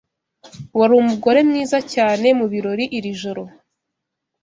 Wari umugore mwiza cyane mubirori iri joro.